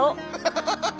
ハハハハハ！